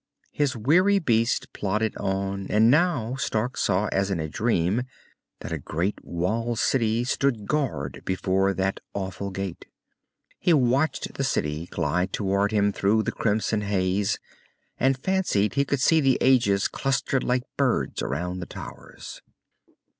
His weary beast plodded on, and now Stark saw as in a dream that a great walled city stood guard before that awful Gate. He watched the city glide toward him through a crimson haze, and fancied he could see the ages clustered like birds around the towers.